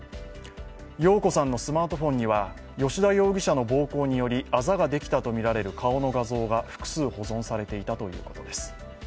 容子さんのスマートフォンには、吉田容疑者の暴行によりあざができたとみられる顔の画像が複数保存されていたということです。